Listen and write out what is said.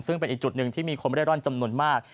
ซึ่งเป็นอีกจุดหนึ่งที่มีคนไม่ได้ร่อนจำนวนมาก